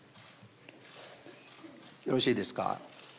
よろしいですか？